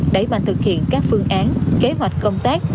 để bàn thực hiện các phương án kế hoạch công tác